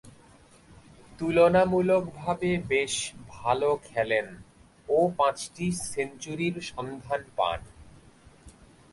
তুলনামূলকভাবে বেশ ভালো খেলেন ও পাঁচটি সেঞ্চুরির সন্ধান পান।